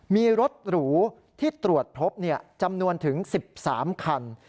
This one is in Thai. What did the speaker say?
มีรถหรูที่ตรวจพบจำนวนถึง๑๓คัน